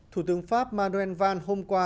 thủ tướng pháp manuel vann hôm qua